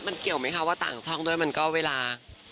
มันเกี่ยวไหมคะว่าต่างช่องด้วยมันก็เวลา